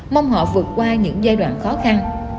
mong họ vượt qua những giai đoạn khó khăn